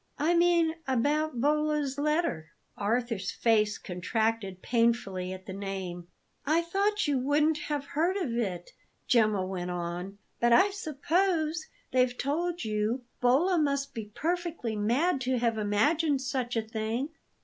"I mean, about Bolla's letter." Arthur's face contracted painfully at the name. "I thought you wouldn't have heard of it," Gemma went on; "but I suppose they've told you. Bolla must be perfectly mad to have imagined such a thing."